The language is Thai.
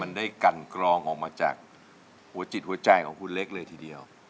มันได้กันกรองออกมาจากหัวจิตหัวใจของคุณเล็กเลยทีเดียว